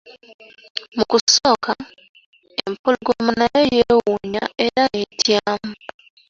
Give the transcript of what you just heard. Mu kusooka, empologoma nayo yewuunya era n'etyamu.